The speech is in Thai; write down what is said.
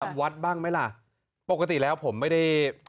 จำวัดบ้างไหมล่ะปกติแล้วผมไม่ได้